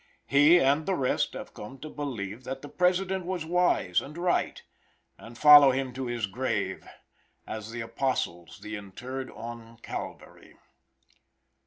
He and the rest have come to believe that the President was wise and right, and follow him to his grave, as the apostles the interred on calvary.